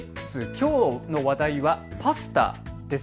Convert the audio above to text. きょうの話題はパスタです。